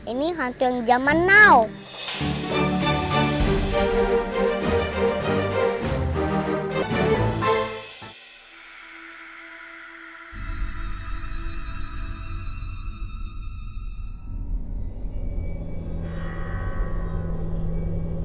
ini hantu yang zaman now